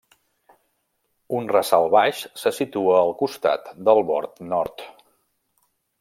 Un ressalt baix se situa al costat del bord nord.